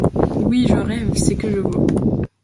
Oui. Je rêve ! -C'est que je voi